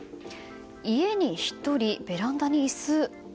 家に１人、ベランダに椅子。